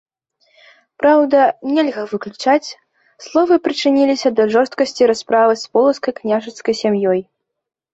Праўда, нельга выключаць, словы прычыніліся да жорсткасці расправы з полацкай княжацкай сям'ёй.